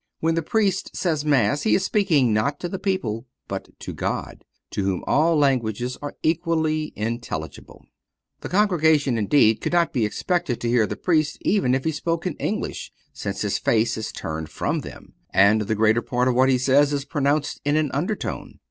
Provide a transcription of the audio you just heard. When the Priest says Mass he is speaking not to the people, but to God, to whom all languages are equally intelligible. The congregation, indeed, could not be expected to hear the Priest, even if he spoke in English, since his face is turned from them, and the greater part of what he says is pronounced in an undertone.